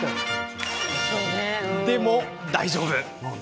でも、大丈夫！